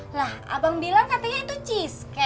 lah abang bilang katanya itu cheese cake